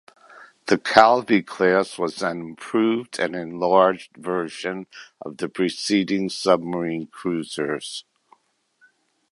The "Calvi" class was an improved and enlarged version of the preceding submarine cruisers.